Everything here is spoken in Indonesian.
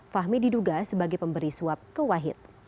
fahmi diduga sebagai pemberi suap ke wahid